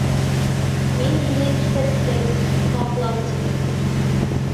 — Мин һине киҫәттем, һаҡлан тип!